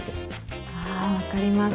あっ分かります。